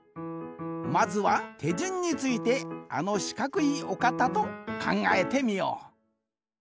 まずはてじゅんについてあのしかくいおかたとかんがえてみよう。